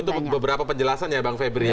itu beberapa penjelasan ya bang febri